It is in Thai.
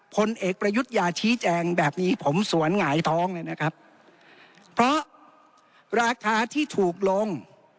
ผลเอกประยุทธ์อย่าชี้แจงแบบนี้ผมสวนหงายท้องเลยนะครับเพราะราคาที่ถูกลง